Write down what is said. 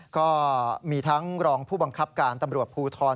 ก็มีทั้งรองผู้บังคับการตำรวจภูทร